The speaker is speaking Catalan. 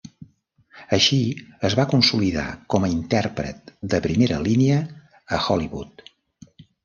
Així es va consolidar com a intèrpret de primera línia a Hollywood.